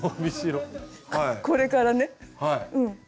これからねうん。